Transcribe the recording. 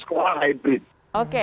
sekolah hybrid oke